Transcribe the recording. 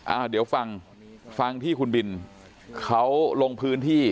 อ่าเดี๋ยวฟังฟังที่คุณบินเขาลงพื้นที่